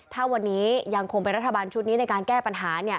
ถ้าวันนี้ยังคงเป็นรัฐบาลชุดนี้ในการแก้ปัญหา